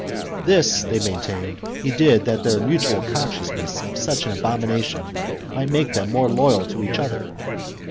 This [they maintained] he did that their mutual con sciousness of such an abomination might make them more loyal to each other.